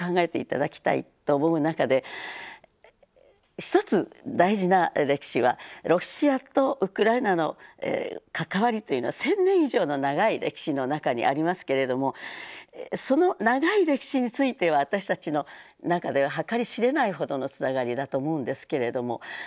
ただきたいと思う中で一つ大事な歴史はロシアとウクライナの関わりというのは１，０００年以上の長い歴史の中にありますけれどもその長い歴史については私たちの中では計り知れないほどのつながりだと思うんですけれども。